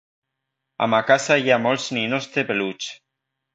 A ma casa hi ha molts ninots de peluix